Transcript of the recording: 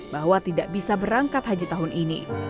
bahwa tidak bisa berangkat haji tahun ini